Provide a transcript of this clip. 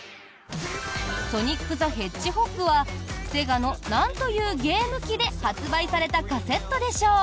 「ソニック・ザ・ヘッジホッグ」はセガのなんというゲーム機で発売されたカセットでしょう？